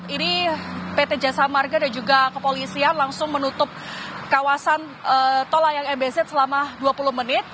ini pt jasa marga dan juga kepolisian langsung menutup kawasan tol layang mbz selama dua puluh menit